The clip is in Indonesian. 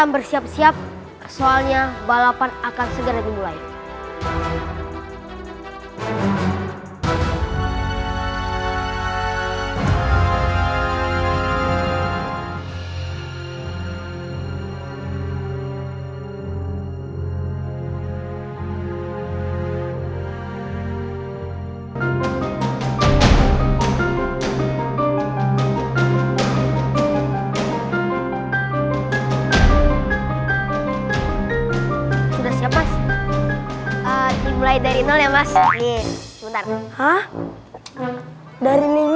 berarti kamu yang ambil